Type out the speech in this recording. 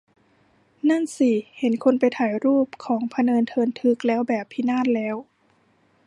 นั่นสิ เห็นคนไปถ่ายรูปของพะเนินเทินทึกแล้วแบบ พินาศแล้ว